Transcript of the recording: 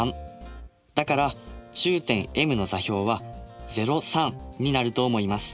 だから中点Ｍの座標はになると思います。